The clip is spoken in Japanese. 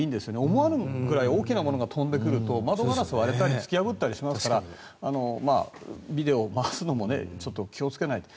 思わぬくらい大きなものが飛んでくると窓ガラスを割ったり突き破ったりしますのでビデオを回すのもちょっと気をつけないと。